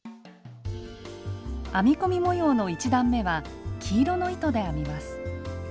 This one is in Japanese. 編み込み模様の１段めは黄色の糸で編みます。